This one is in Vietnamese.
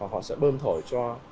họ sẽ bơm thổi cho